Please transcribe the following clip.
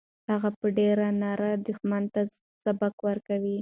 هغه په ډېرې نره دښمن ته سبق ورکړ.